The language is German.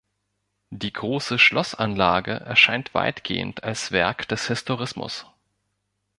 Die große Schlossanlage erscheint weitgehend als Werk des Historismus.